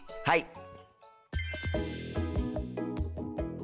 はい。